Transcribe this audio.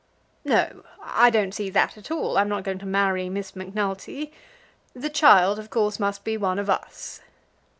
"No; I don't see that at all. I'm not going to marry Miss Macnulty. The child, of course, must be one of us."